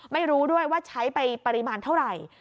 ไม่รู้ด้วยว่าใช้ไปปริมาณเท่าไหร่